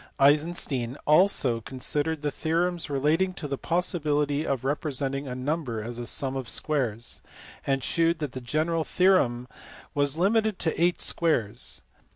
Eisenstein also considered the theorems relating to the possibility of representing a number as a sum of squares, and shewed that the general theorem was limited to eight squares.